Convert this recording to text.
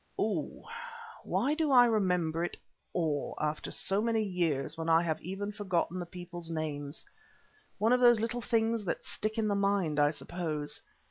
Oh! why do I remember it all after so many years when I have even forgotten the people's names? One of those little things that stick in the mind, I suppose.